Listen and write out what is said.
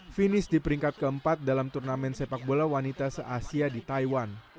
finish di peringkat keempat dalam turnamen sepak bola wanita se asia di taiwan